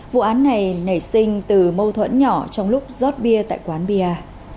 vụ án này nảy sinh từ mâu thuẫn nhỏ trong lúc rót bia tại quán bia